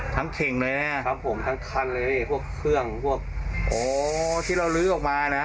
เข่งเลยนะครับผมทั้งคันเลยพวกเครื่องพวกอ๋อที่เราลื้อออกมานะ